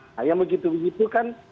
nah yang begitu begitu kan